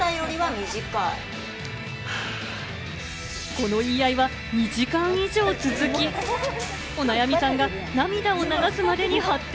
この言い合いは２時間以上続き、お悩みさんが涙を流すまでに発展。